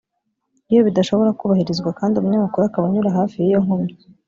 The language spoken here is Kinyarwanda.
iyo bidashobora kubahirizwa kandi umunyamaguru akaba anyura hafi y’iyo nkomyi